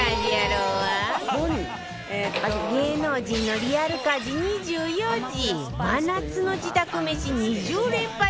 芸能人のリアル家事２４時真夏の自宅めし２０連発！